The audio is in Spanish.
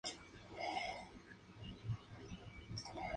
Tiene un aroma muy distintivo.